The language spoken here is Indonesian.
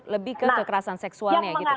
lebih ke kekerasan seksualnya gitu